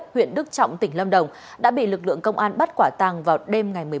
huyện đức trọng tỉnh lâm đồng đã bị lực lượng công an bắt quả tàng vào đêm ngày